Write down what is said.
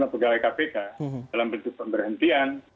pegawai kpk dalam bentuk pemberhentian